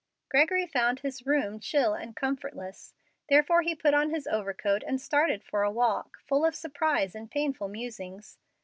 Gregory found his room chill and comfortless, therefore he put on his overcoat, and started for a walk, full of surprise and painful musings.